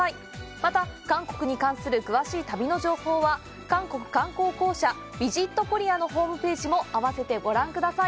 また、韓国に関する詳しい旅の情報は、韓国観光公社ＶＩＳＩＴＫＯＲＥＡのホームページも併せてご覧ください。